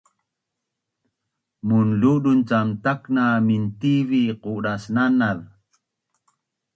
Munludun cam takna mintivi qudasnanaz